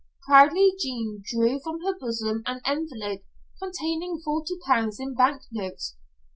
Proudly Jean drew from her bosom an envelope containing forty pounds in bank notes.